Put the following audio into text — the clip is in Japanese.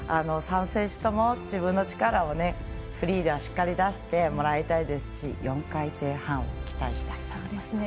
３選手とも、自分の力をフリーではしっかり出してもらいたいですし４回転半、期待したいです。